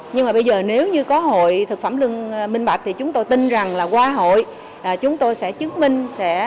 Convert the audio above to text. nhưng mà bây giờ nếu như có hội thực phẩm lưng minh bạch thì chúng tôi tin rằng là qua hội chúng tôi sẽ chứng minh sẽ